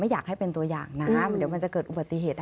อยากให้เป็นตัวอย่างนะเดี๋ยวมันจะเกิดอุบัติเหตุ